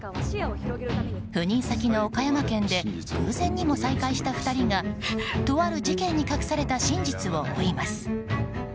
赴任先の岡山県で偶然にも再会した２人がとある事件に隠された真実を負います。